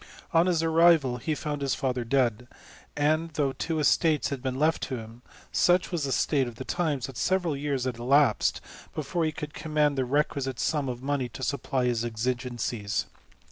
On his arrival, he found his father dead ; and, though two estates had been left to him, such was the state of the times, that several years elapsed before he could command the requisite sum of money to supply his exigencies.